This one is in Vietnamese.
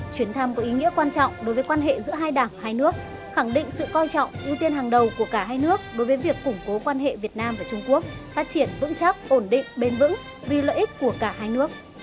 chuyến thăm có ý nghĩa quan trọng đối với quan hệ giữa hai đảng hai nước khẳng định sự coi trọng ưu tiên hàng đầu của cả hai nước đối với việc củng cố quan hệ việt nam và trung quốc phát triển vững chắc ổn định bền vững vì lợi ích của cả hai nước